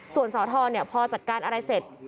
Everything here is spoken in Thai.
ส่วนสอทรพอจัดการอะไรเสร็จ